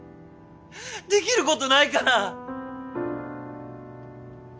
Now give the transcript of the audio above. できることないかな？